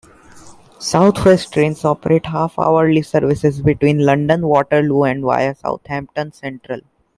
South West Trains operate half-hourly services between London Waterloo and via Southampton Central.